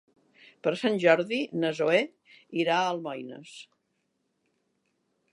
Per Sant Jordi na Zoè irà a Almoines.